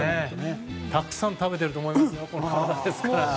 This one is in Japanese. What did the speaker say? たくさん食べてると思いますよ、この体ですから。